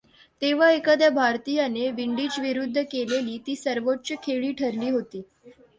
तेव्हा एखाद्या भारतीयाने विंडीजविरुद्ध केलेली ती सर्वोच्च खेळी ठरली होती.